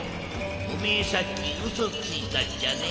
おめえさっきウソついたっちゃね？